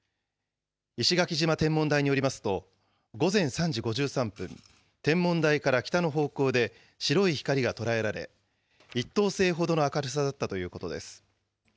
石垣島天文台によりますと、午前３時５３分、天文台から北の方向で白い光が捉えられ、１等星ほどの明るさだったということです。